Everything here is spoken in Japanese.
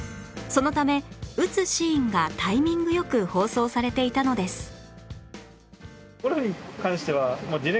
そのため打つシーンがタイミング良く放送されていたのです